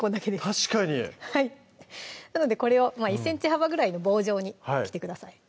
確かになのでこれを１ｃｍ幅ぐらいの棒状に切ってください